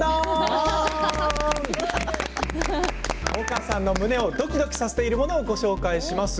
萌歌さんの胸をどきどきさせているものをご紹介します。